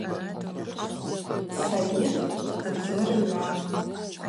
Сайыт ддзыргӏвуан.